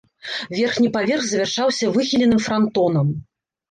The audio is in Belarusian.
Верхні паверх завяршаўся выхіленым франтонам.